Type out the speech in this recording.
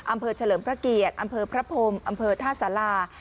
เฉลิมพระเกียรติอำเภอพระพรมอำเภอท่าสารา